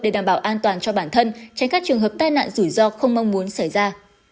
để đảm bảo an toàn cho bản thân tránh các trường hợp tai nạn rủi ro không mong muốn xảy ra